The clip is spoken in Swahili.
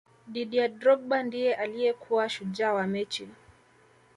didier drogba ndiye alikuwa shujaa wa mechi